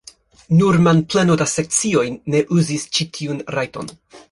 Nur manpleno da sekcioj ne uzis ĉi tiun rajton.